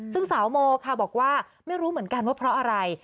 ซึ่งสาวโมค่ะบอกว่าไม่รู้เหมือนกันว่าเพราะอะไร